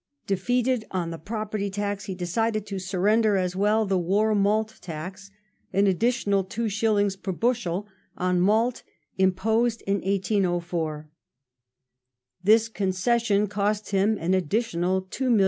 Defeated on the Property tax, he decided to surrender as well the " war malt tax "— an additional 2s. per bushel on malt imposed in 1804. This concession cost him an additional £2,700,000.